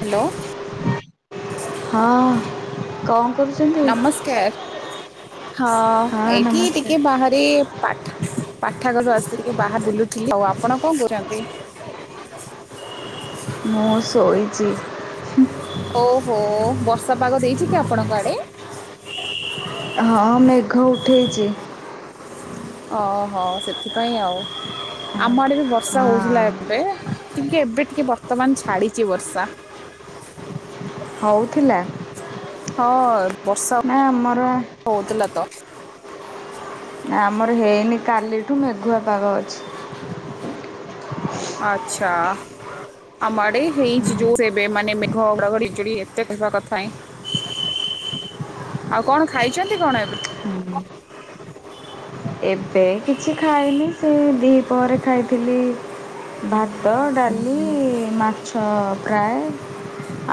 Hello. ହଁ କଣ କରୁଚନ୍ତି? ନମସ୍କାର ହଁ ଏଇଠି ଟିକେ ବାହାରେ ପାଠ ପାଠାଗାରୁ ଆସି ଟିକେ ବାହାର ବୁଲୁଥିଲି ଆଉ ଆପଣ କଣ କରଛନ୍ତି? ମୁଁ ଶୋଇଚି। ଓହୋ ବର୍ଷା ପାଗ ଦେଇଚି କି ଆପଣଙ୍କ ଆଡ଼େ? ହଁ ମେଘ ଉଠେଇଚି। ଓହୋ ସେଥିପାଇଁ ଆଉ। ଆମ ଆଡେ ବି ବର୍ଷା ହୋଉଥୁଲା ହଁ ଏବେ ଟିକେ ଏବେ ଟିକେ ବର୍ତ୍ତମାନ ଛାଡିଚି ବର୍ଷା। ହୋଉଥିଲା? ହଁ ବର୍ଷା ହୋଉଥୁଲା ତ। ନା ଆମର ହେଇନି କାଲିଠୁ ମେଘୁଆ ପାଗ ଅଛି। ଆଚ୍ଛା। ଆମ ଆଡେ ଏ ହେଇଚି ଜୋରସେ ଏବେ ମାନେ ମାଘ ଘଡଘଡି ବିଜୁଳି ଏତେ କହିବା କଥାଇଁ। ଆଉ କଣ ଖାଇଚନ୍ତି କଣ ଏବେ? ଉଁ ହୁଁ। ଏବେ କିଛି ଖାଇନି, ସେ ଦି ପହରେ ଖାଇଥିଲି। ଭାତ, ଡାଲି, ମାଛ ଫ୍ରାଏ।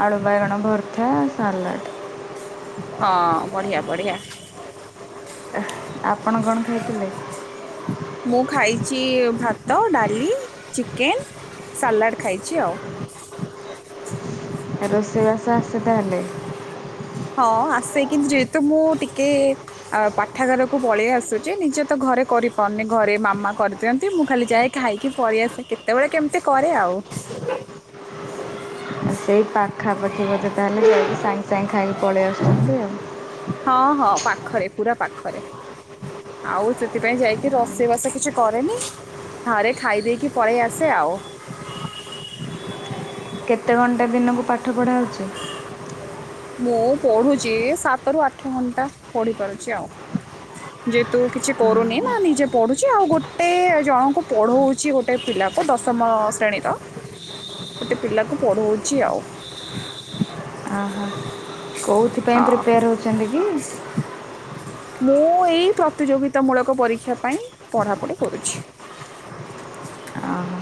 ଆଳୁ ବାଇଗଣ ଭରତା, ସାଲଟ୍। ହଁ ବଢ଼ିଆ, ବଢ଼ିଆ। ଆଉ ଆପଣ କଣ ଖାଇଥିଲେ? ମୁଁ ଖାଇଛି ଭାତ, ଡାଲି, ଚିକେନ, ସାଲାଡ଼ ଖାଇଛି ଆଉ। ରୋଷେଇବାସ ଆସେ ତାହେଲେ? ହଁ ଆସେ କିନ୍ତୁ ଯେହେତୁ ମୁଁ ଟିକେ ଆଉ ପାଠାଗାରକୁ ପଳେଇ ଆସୁଛି, ନିଜେ ତ ଘରେ କରିପାରୁନି, ଘରେ ମାମା କରି ଦିଅନ୍ତି, ମୁଁ ଖାଲି ଯାଏ ଖାଇକି ପଳେଇଆସେ କେତେବେଳେ କେମିତି କରେ ଆଉ। ସେଇ ପାଖାପାଖି ବୋଧେ ତାହେଲେ ସେଇ ସାଙ୍ଗେ ସାଙ୍ଗେ ଖାଇକି ପଳେଇ ଆସୁଛନ୍ତି ଆଉ। ହଁ ହଁ ପାଖରେ, ପୁରା ପାଖରେ। ଆଉ ସେଥିପାଇଁ ଯାଇକି ରୋଷେଇବାସ କିଛି କରେନି। ଘରେ ଖାଇ ଦେଇକି ପଳେଇ ଆସେ ଆଉ। କେତେ ଘଣ୍ଟା ଦିନକୁ ପାଠ ପଢ଼ା ହେଉଛି? ମୁଁ ପଢ଼ୁଛି ସାତରୁ ଆଠ ଘଣ୍ଟା ପଢ଼ିପାରୁଛି ଆଉ। ଯେହେତୁ କିଛି କରୁନି ନା, ନିଜେ ପଢୁଛି ଆଉ ଗୋଟେ ଜଣଙ୍କୁ ପଢଉଛି ଗୋଟେ ପିଲାକୁ ଦଶମ ଶ୍ରେଣୀର। [inaudible] ଗୋଟେ ପିଲାକୁ ପଢଉଛି ଆଉ। ଆହା, କେଉଁଥିପାଇଁ ହଁ ପ୍ରିପେୟାର ହେଉଛନ୍ତି କି? ମୁଁ ଏଇ ପ୍ରତିଯୋଗିତାମୂଳକ ପରୀକ୍ଷା ପାଇଁ ପଢ଼ାପଢ଼ି କରୁଛି। ଓହୋ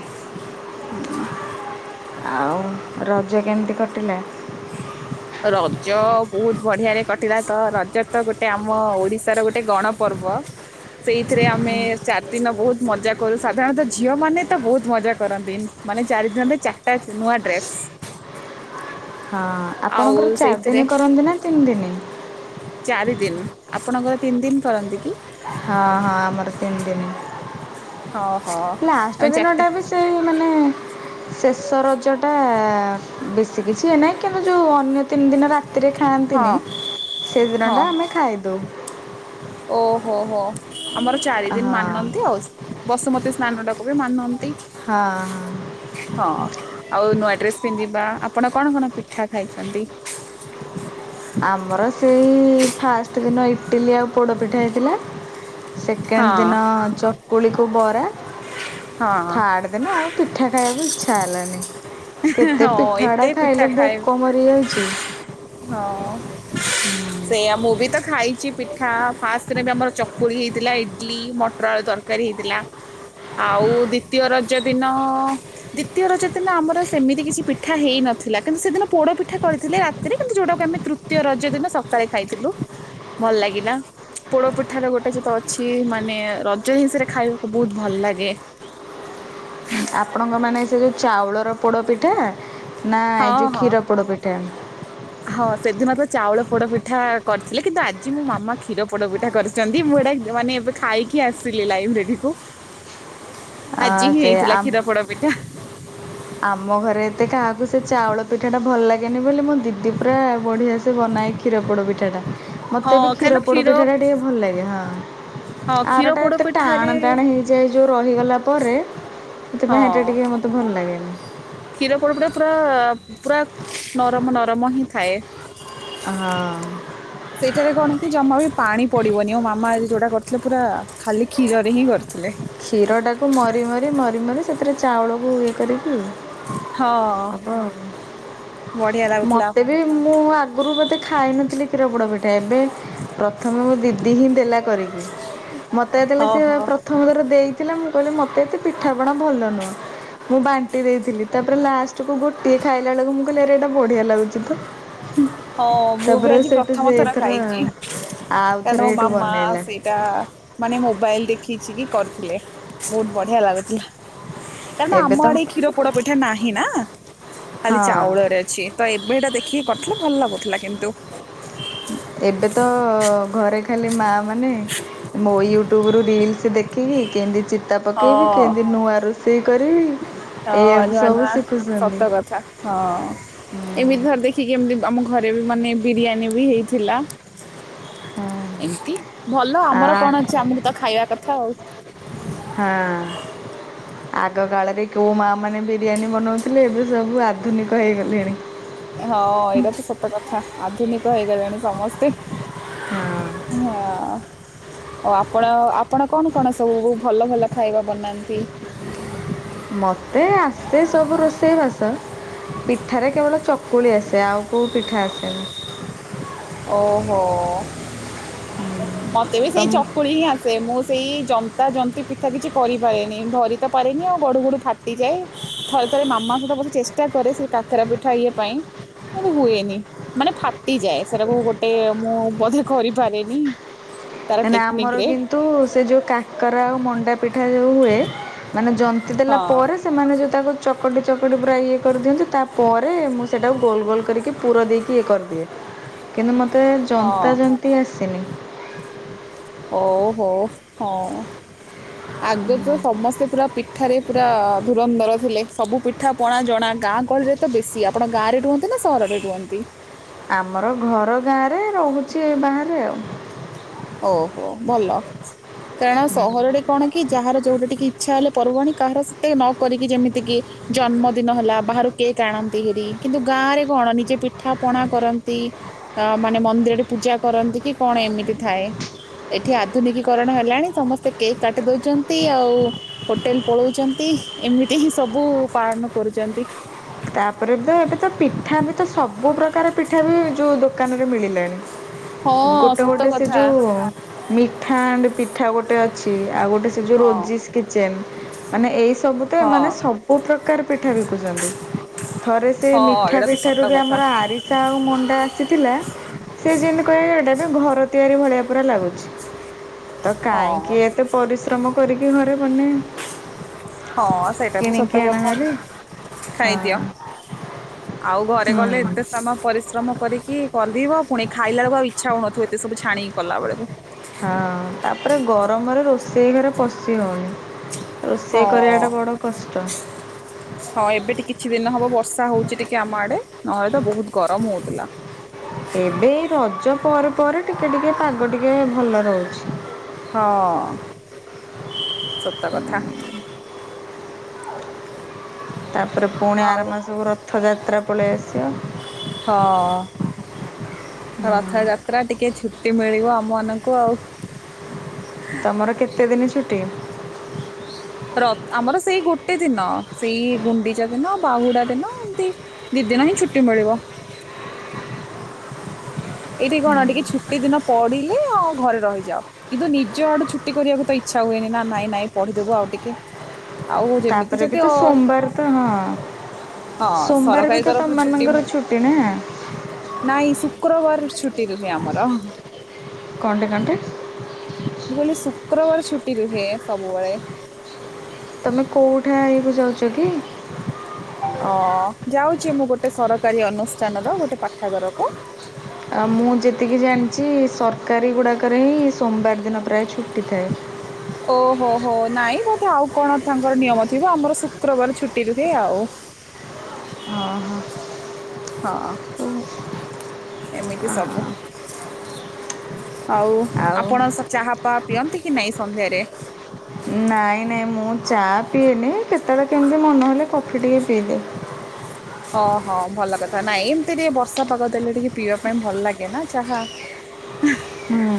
ଆଉ ରଜ କେମିତି କଟିଲା? ରଜ ବହୁତ ବଢିଆରେ କଟିଲା ତ, ରଜ ତ ଗୋଟେ ଆମ ଓଡିଶାର ଗୋଟେ ଗଣ ପର୍ବ। ସେଇଥିରେ ଆମେ ଚାରି ଦିନ ବହୁତ ମଜା କରୁ, ସାଧାରଣତଃ ଝିଅ ମାନେ ତ ବହୁତ ମଜା କରନ୍ତି। ମାନେ ଚାରିଦିନରେ ଚାରିଟା ନୂଆ ଡ୍ରେସ୍। ହଁ ଆଉ ଆପଣଙ୍କର ଚାରି ସେଇଥିରେ ଦିନ କରନ୍ତି ନା ତିନି ଦିନି? ଚାରି ଦିନି, ଆପଣଙ୍କର ତିନି ଦିନି କରନ୍ତି କି? ହଁ ହଁ ଆମର ତିନି ଦିନ, ଓହୋ ଲାଷ୍ଟ ଆମେ ଦିନ ଚାରିଟା ଟା ବି ଏତେ ମାନେ ଶେଷ ରଜ ଟା ବେଶୀ କିଛି ୟେ ନାହିଁ କିନ୍ତୁ ଯୋଉ ଅନ୍ୟ ତିନି ଦିନ ରା ତିରେ ହଁ ଖାଆନ୍ତିନି, ସେଦିନଟା ଆମେ ଖାଇଦେଉ। ଓ ହୋ ହୋ, ଆମର ଚାରି ଦିନ ହଁ ମାନନ୍ତି ଆଉ। ବସୁମତୀ ସ୍ନାନଟାକୁ ବି ମାନନ୍ତି। ହଁ ହଁ। ହଁ ଆଉ ନୂଆ ଡ୍ରେସ୍ ପିନ୍ଧିବା। ଆପଣ କଣ କଣ ପିଠା ଖାଇଛନ୍ତି? ଆମର ସେଇ ଫାଷ୍ଟ ଦିନ ଇଟିଲି ଆଉ ପୋଡ଼ପିଠା ହେଇଥିଲା। ସେକେଣ୍ଡ ହଁ ଦିନ ଚକୁଳିକୁ ବରା, ହଁ ଥାର୍ଡ ଦିନ ଆଉ ପିଠା ଖାଇବାକୁ ଇଛା ହେଲାନି, କେତେ ହଁ ପିଠା ଏତେ ଗୁଡା ପିଠା ଖାଇଲେ ଖାଇବେ ଭୋକ ମ [unintelligible] ହଁ ଅଁ। ସେଇଆ ମୁଁ ବି ତ ଖାଇଛି ପିଠା, ଫାଷ୍ଟ ଦିନ ବି ଆମର ଚକୁଳି ହେଇଥିଲା, ଇଡଲି, ମଟର ଆଳୁ ତର କାରୀ ହେଇଥିଲା, ଆଉ ଦ୍ଵିତୀୟ ରଜ ଦିନ ଦ୍ୱିତୀୟ ରଜ ଦିନ ଆମର ସେମିତି କିଛି ପିଠା ହେଇନଥିଲା କିନ୍ତୁ ସେଦିନ ପୋଡ ପିଠା କରିଥିଲେ ରା ତିରେ କିନ୍ତୁ ଯୋଉଟାକୁ ଆମେ ତୃତୀୟ ରଜ ଦିନ ସକାଳେ ଖାଇଥିଲୁ, ଭଲ ଲାଗିଲା। ପୋଡ ପିଠାର ଗୋଟେ ସେତ ଅଛି, ମାନେ ରଜ ହିଁ ରେ ଖାଇବାକୁ ବହୁତ ଭଲ ଲାଗେ। ଆପଣଙ୍କମାନେ ସେ ଯେଉଁ ଚାଉଳର ପୋଡ଼ପିଠା ନା ଏ ହଁ ଯେଉଁ ହଁ କ୍ଷୀର ପୋଡ଼ପିଠା? ହଁ ସେଦିନ ତ ଚାଉଳ ପୋଡ଼ପିଠା କରିଥିଲେ କିନ୍ତୁ ଆଜି ମୋ ମାମା କ୍ଷୀର ପୋଡ଼ପିଠା କରିି ଛନ୍ତି, ମୁଁ ଏଟା ମାନେ ଏବେ ଖାଇକି ଆସିଥିଲି ଲାଇବ୍ରେରୀ କୁ। [unintelligible] ଆ ଆଜି ହିଁ ସେ ହେଇଥିଲା ଆମ୍ କ୍ଷୀରପୋଡା ପିଠା। [unintelligible] ଆମ ଘରେ ଏତେ କାହାକୁ ସେ ଚାଉଳ ପିଠାଟା ଭଲ ଲାଗେନି ବୋଲି ମୋ ଦିଦି ପୁରା ବଢ଼ିଆ ସେ ବନାଇକି। କ୍ଷୀରପୋଡ଼ ପିଠାଟା ମୋତେ ହଁ ବି କାରଣ କ୍ଷୀରପୋଡ଼ କ୍ଷୀର ପିଠାଟା ଟିକେ ଭଲ ଲାଗେ ହଁ। ହଁ କ୍ଷୀର ଆର ଟା ପୋଡ଼ ଏତେ ପିଠାରେ ଟାଣ ଟାଣ ହେଇ ଯାଏ ଯୋଉ ରହିଗଲା ପରେ ସେଥିପାଇଁ ସେଇଟା ହଁ ଟିକେ ମୋତେ ଭଲ ଲାଗେନି। କ୍ଷୀର ପୋଡ଼ ପିଠା ପୁରା ପୁରା ନରମ ନରମ ହିଁ ଥାଏ। ଅଁ ସେଇଟାରେ କଣ କି ଜମା ବି ପାଣି ପଡ଼ିବନି ମୋ ମାମା ଆଜି ଯେଉଁଟା କରିଥିଲେ ପୁରା ଖାଲି କ୍ଷୀରରେ ହିଁ କରିଥିଲେ। କ୍ଷୀର ଟାକୁ ମରି ମରି ମରି ମରି ସେଥିରେ ଚାଉଳକୁ ଇଏ କରିକି ହଁ ହବ ଆଉ ବଢ଼ିଆ ଲାଗୁଥିଲା ମତେ ଏବେ ମୁଁ ଆଗରୁ ବୋଧେ ଖାଇନଥିଲି କ୍ଷୀର ପୋଡ଼ ପିଠା ଏବେ ପ୍ରଥମ ମୋ ଦିଦି ହିଁ ଦେଲା କରିକି, ମତେ ଯେତେବେଳେ ହଁ ସେ ହଁ ପ୍ରଥମଥର ଦେଇଥିଲା ମୁଁ କହିଲି ମୋତେ ଏତେ ପିଠାପଣା ଭଲ ନୁହଁ। ମୁଁ ବାଣ୍ଟି ଦେଇଥିଲି ତାପରେ ଲାଷ୍ଟକୁୁ ଗୋଟିଏ ଖାଇଲା ବେଳକୁ ମୁଁ କହିଲି ଆରେ ଏଇଟା ବଢିଆ ଲାଗୁଛି ତ। ହୁଁ। ହଁ ମୁଁ ବି ତାପରେ ଆଜି ସେଠୁ ସେ ପ୍ରଥମ ଥର ଏଥର ଖାଇଛି ଆଉଥରେ ଏଇଠୁ ବନେଇଲା। ତା ମାନେ ମୋବାଇଲ ଦେଖିଛି କି କରିଥିଲେ ବହୁତ ବଢ଼ିଆ ଲାଗୁଥିଲା। କାରଣ ଏବେ ଆମ ତ ଆଡେ କ୍ଷୀର ପୋଡ ପିଠା ନାହିଁ ନା ଖାଲି ହଁ ଚାଉଳରେ ଅଛି। ଛି ତ ଏବେ ଏଟା ଦେଖିକି କରିଥିଲେ ଭଲ ଲାଗୁଥିଲା କିନ୍ତୁ। ଏବେ ତ ଘରେ ଖାଲି ମା ମାନେ। ମୁ ୟୁଟ୍ୟୁବରୁ ରିଲସ ଦେଖିବି କେମିତି ଚିତା ପକେଇବି ହଁ କେମିତି ନୂଆ ର ସେଇ କରିବି ହଁ ଏଇଆକୁ ନୂଆ ନୂଆ ସବୁ ସତ ଶିଖୁଛନ୍ତି। କଥା ହଁ। ଏମିତି ଥରେ ଦେଖିକି ଏମିତି ଆମ ଘରେ ବି ମାନେ ବିରିୟାନୀ ବି ହେଇଥିଲା। ହଁ ଏମିତି ଭଲ ଆମର କଣ ଆଉ ଅଛି ଆମକୁ ତ ଖାଇବା କଥା ଆଉ। ହଁ। ଆଗ କାଳରେ କୋଉ ମା ମାନେ ବିରିୟାନୀ ବନଉଥିଲେ ଏବେ ସବୁ ଆଧୁନିକ ହେଇଗଲେଣି। ହଁ ଏଇଟା ତ ସତ କଥା ଆଧୁନିକ ହେଇଗଲେଣି ସମସ୍ତେ। ହଁ ହଁ। ଓଉ ଆପଣ ଆପଣ କଣ କଣ ସବୁ ଭଲ ଭଲ ଖାଇବା ବନାନ୍ତି। ମତେ ଆସେ ସବୁ ରୋଷେଇବାସ। ପିଠାରେ କେବଳ ଚକୁଳି ଆସେ ଆଉ କୋଉ ପିଠା ଆସେନି। ଓହୋ ମତେ ବି ସେଇ ତମକୁ ଚକୁଳି ହିଁ ଆ ସେ ମୁଁ ସେଇ ଜନ୍ତା ଜନ୍ତୀ ପିଠା କିଛି କରିପାରେନି ଧରି ତ ପାରେନି ଆଉ ଗଢ଼ୁ ଗଢୁ ଫାଟିଯାଏ। ଥରେ ଥରେ ମାମା ସହିତ ବସି ଚେଷ୍ଟା କରେ ସେ କାକରା ପିଠା ଇଏ ପାଇଁ। ତ ହୁଏନି ମାନେ ଫାଟି ଯାଏ। ସେଟାକୁ ଗୋଟେ ମୁଁ ବୋଧେ କରିପାରେନି। ତାର ନାଇ ନାଇ ଆମର ଟେକ୍ନିକ୍ରେ କିନ୍ତୁ ସେ ଯେଉ କାକରା ଆଉ ମଣ୍ଡା ପିଠା ଯେଉଁ ହୁଏ ମାନେ ଯନ୍ତ ନ୍ତି ଦେଲା ପରେ ହଁ ସେମାନେ ଯେଉଁ ତାକୁ ଚକଟି ଚକଟି ପୁରା ଇଏ କରିଦିଅନ୍ତି ତାପରେ ମୁଁ ସେଇଟାକୁ ଗୋଲ ଗୋଲ କରିକି ପୁର ଦେଇକି ଇଏ କରିି ଦିଏ କିନ୍ତୁ ମତେ ହଁ ଜନ୍ତା ଜନ୍ତି ଆସେନି। ଓ ହୋ, ହଁ। ଆଗରୁ ତ ସମସ୍ତେ ପୁରା ପିଠାରେ ପୁରା ଧୁରନ୍ଧର ଥିଲେ, ସବୁ ପିଠା ପଣା ଜଣା ଗାଁ ଗହଳିରେ ତ ବେଶୀ ଆପଣ ଗାଁରେ ରୁହନ୍ତି ନା ସହରରେ ରୁହନ୍ତି? ଆମର ଘର ଗାଁରେ ରହୁଛି ଏ ବାହାରେ ଆଉ। ଓହୋ ଭଲ କାରଣ ସହରରେ କଣ କି? ଯାହାର ଯେଉଁଟା ଟିକି ଇଚ୍ଛା ହେଲେ ପର୍ବାଣୀ କାହାର ସେତେ ନ କରିକି ଯେମିତିକି ଜନ୍ମଦିନ ହେଲା ବାହାରୁ କେକ୍ ଆଣନ୍ତି ହେରି କିନ୍ତୁ ଗାଁରେ କଣ ନିଜେ ପିଠା ପଣା କରନ୍ତି। ତ ମାନେ ମନ୍ଦିରରେ ପୂଜା କରନ୍ତି କି କଣ ଏମିତି ଥାଏ। ଏଠି ଆଧୁନିକୀକରଣ ହେଲାଣି ସମସ୍ତେ କେକ୍ କାଟି ଦଉଚନ୍ତି ଆଉ। ହୋଟେଲ ପଳଉଚନ୍ତି ଏମିତି ହିଁ ସବୁ ପାଳନ କରୁଚନ୍ତି। ତାପରେ ତ ଏବେ ତ ପିଠା ବି ତ ସବୁ ପ୍ରକାର ପିଠା ବି ଯୋଉ ଦୋକାନରେ ମିଳିଲାଣି। ହଁ ଗୋଟେ ସତ ଗୋଟେ ସେ କଥା ଯୋଉ ମିଠା ଆଣ୍ଡ ପିଠା ଗୋଟେ ଅଛି ଆଉ ଗୋଟେ ସେ ଯୋଉ ହଁ ରୋଜିସ୍ କି ଚେନ୍ ମାନେ ଏଇ ସବୁ ତ ହଁ ଏମାନେ ସବୁ ପ୍ରକାର ପିଠା ବିକୁଚନ୍ତି। ଥରେ ସେ ହଁ ମିଠା ଏଇଟା ତ ସତ ପିଠାରୁ ବି କଥା ଆମର ଆରିସା ଆଉ ମଣ୍ଡା ଆସି ଥିଲା ସେ ଯେମିତି କହିବେ ଏଇଟା ବି ଘର ତିଆରି ଭଳିଆ ପୁରା ଲାଗୁଛି। ତ ହଁ କାହିଁକି ଏତେ ପରିଶ୍ରମ କରିକି ଘରେ ବନେଇବ। ହଁ ସେଇଟା ବି ସତ କଥା। ହଁ ଖାଇଦିଅ ଆଉ ଘରେ କଲେ ହୁଁ ଏତେ ସମୟ ପରିଶ୍ରମ କରିକି କରିବ ପୁଣି ଖାଇଲା ବେଳକୁ ଆଉ ଇଚ୍ଛା ହଉନଥିବ ଏତେ ସବୁ ଛାଣିକି କଲା ବେଳକୁ। ହଁ ତାପରେ ଗରମରେ ରୋଷେଇ ଘରେ ପଶି ହଉନି। ହଁ ରୋଷେଇ କରିବାଟା ବଡ଼ କଷ୍ଟ। ହଁ ଏବେ ଟି କିଛି ଦିନ ହେବ ବର୍ଷା ହଉଚି ଟିକେ ଆମ ଆଡ଼େ ନହେଲେ ତ ବହୁତ ଗରମ ହଉଥିଲା। ଏବେ ଏଇ ରଜ ପରେ ପରେ ଟିକେ ଟିକେ ପାଗ ଟିକେ ଭଲ ରହୁଚି। ହଁ ସତ କଥା। ତାପରେ ପୁଣି ଆର ଆଉ ମାସକୁ ରଥଯାତ୍ରା ପଳେଇ ଆସିବ। ହଁ। ରଥଯାତ୍ରା ଟିକେ ଛୁଟି ମିଳିବ ଆମ ମାନଙ୍କୁ ଆଉ। ତମର କେତେ ଦିନ ଛୁଟି। ର ଆମର ସେଇ ଗୋଟେ ଦିନ ସେଇ ଗୁଣ୍ଡିଚା ଦିନ ବାହୁଡ଼ା ଦିନ ଏମତି ଦି ଦିନ ହିଁ ଛୁଟି ମିଳିବ। ଏଇଠି କଣ ଟିକେ ଛୁଟି ଦିନ ପଡିଲେ ଆଉ ଘରେ ରହିଯାଅ। କିନ୍ତୁ ନିଜ ଆଡୁ ଛୁଟି କରିବାକୁ ତ ଇଚ୍ଛା ହୁଏନି ନା ନାଇଁ ନାଇଁ ପଢିଦବୁ ଆଉ ଟିକେ। ଆଉ ଯେମିତି ତାପରେ ବି କେତେ ତ ଅ ସୋମବାର ତ ହଁ ହଁ ସୋମବାର ବି ସରକାରୀ ତ ତରଫରୁ ଛୁଟି ତମମାନଙ୍କର ମିଳିଲା। ନା? ନାଇଁ ଶୁକ୍ରବାର ରୁ ଛୁଟି ରୁହେ ଆମର। କଣତି କଣତି ମୁଁ କହିଲି ଶୁକ୍ରବାର ଛୁଟି ରୁହେ ସବୁବେଳେ। ତମେ କୋଉ ଠା ହେଇ କୁ ଯାଉଚ କି? ଅ ଯାଉଛି ମୁଁ ଗୋଟେ ସରକାରୀ ଅନୁଷ୍ଠାନର ଗୋଟେ ପାଠାଗାରକୁ। ଆ ମୁଁ ଯେତିକି ଜାଣିଛି ସରକାରୀ ଗୁଡ଼ାକରେ ହିଁ ସୋମବାର ଦିନ ପ୍ରାୟ ଛୁଟି ଥାଏ। ଓହୋ ହୋ ନାଇଁ ବୋଧେ ଆଉ କଣ ତାଙ୍କର ନିୟମ ଥିବ ଆମର ଶୁକ୍ରବାର ଛୁଟି ରୁହେ ଆଉ। ଓ ହୋ। ହଁ ଏମିତି ସବୁ। ଆଉ ଆଉ ଆପଣ ସେ ଚାହା ପା ପିଅନ୍ତି କି ନାଇଁ ସନ୍ଧ୍ୟାରେ। ନାଇଁ ନାଇଁ ମୁଁ ଚା ପିଏନି କେତେବେଳେ କେମିତି ମନହେଲେ କଫି ଟିକେ ପିଇଦିଏ। ହଁ ହଁ ଭଲ କଥା ନାଇଁ ଏମିତି ଟିକେ ବର୍ଷା ପାଗ ଦେଲେ ଟିକେ ପିଇବା ପାଇଁ ଭଲ ଲାଗେ ନା ଚାହା। ହୁଁ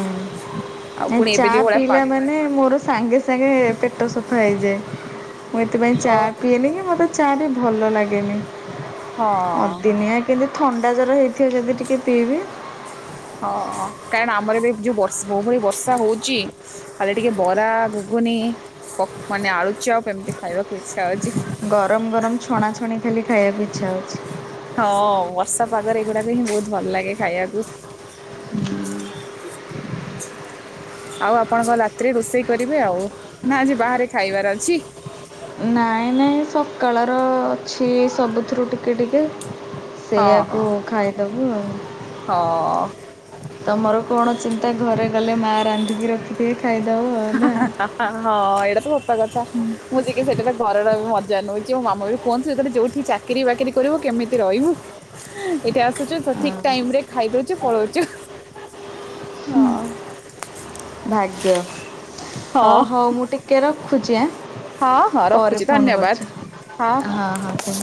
ଆଉ ଏ ପୁଣି ଏବେ ଚା ଯୋଉ ଭଳିଆ ପିଇଲା ପାଗ ମାନେ ମୋର ସାଙ୍ଗେ ସାଙ୍ଗେ ପେଟ ସଫା ହୋଇଯାଏ ମୁଁ ଏଥିପାଇଁ ଓ ଚା ପିଏନି କି ମୋତେ ଚା ବି ଭଲ ଲାଗେନି ହଁ ଅଦିନିଆ କେବେ ଥଣ୍ଡା ଜର ହେଇଥିବ ଯଦି ଟିକିଏ ପିଇବି। ହଁ କାରଣ ଆମର ବି ଯୋଉ ବଷ ଯୋଉଭଳି ଆ ବର୍ଷା ହଉଚି ଖାଲି ଟିକେ ବରା ଘୁଗୁନି ପ ମାନେ ଆଳୁ ଚପ ଏମିତି ଖାଇବାକୁ ଇଚ୍ଛା ହଉଚି। ଗରମ ଗରମ ଛଣାଛଣି ଖାଲି ଖାଇବାକୁ ଇଚ୍ଛା ହଉଚି। ହଁ ବର୍ଷା ପାଗରେ ଏଗୁଡାକ ହିଁ ବହୁତ ଭଲ ଲାଗେ ଖାଇବାକୁ। ହୁଁ। ଆଉ ଆପଣଙ୍କ ରାତିରେ ରୋଷେଇ କରିବେ ଆଉ ନା ଆଜି ବାହାରେ ଖାଇବାର ଅଛି। ନାଇ ନାଇ ସକାଳର ଅଛି ସବୁଥିରୁ ଟିକେ ଟିକେ। ସେଇଆାକୁ ଖାଇଦବୁ ଆଉ। ହ ଅ। ତମର କଣ ଚିନ୍ତା ଘରେ ଗଲେ ମା ରାନ୍ଧିକି ରଖିଥିବେ ଖାଇଦବ ଆଉ ନା। ହ ହଁ ଏଇଟା ତ ସତ କଥା। ମୁଁ ଯିକେ ସେଇଟା ତ ଘରର ବି ମଜା ନଉଚି। ମୋ ମାମା ବି କୁହନ୍ତି ସେ ଯଦି ଯୋଉଠି ଚାକିରି ବାକିରି କରିବୁ କେମିତି ରହିବୁ। ଏଠି ଆସୁଚୁ ସଠିକ୍ ଟାଇମ୍ ରେ ଖାଇଦଉଚୁ ପଳଉଚୁ। ହଁ। ଭାଗ୍ୟ। ହଁ ହଉ ହଉ ମୁଁ ଟିକେ ରଖୁଚି ଆ। ହଁ ହଁ ପରେ ରଖୁଛି ଫୋନ କରୁଚି। ଧନ୍ୟବାଦ ହଁ ହଁ।